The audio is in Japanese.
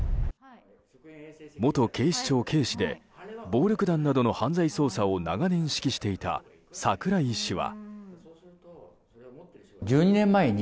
元警視庁警視で暴力団などの犯罪捜査などを長年指揮していた櫻井氏は。